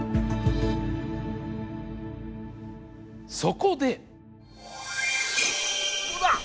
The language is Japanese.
そこで！